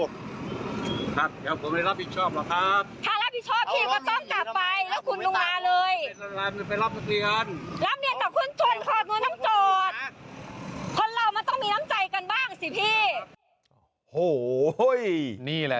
ครับเดี๋ยวผมได้รับผิดชอบเหรอครับถ้ารับผิดชอบพี่ก็ต้องกลับไปแล้วคุณลุงมาเลย